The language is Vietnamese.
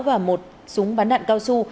và một súng bắn đạn cao su